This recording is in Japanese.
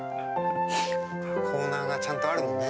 コーナーがちゃんとあるのね。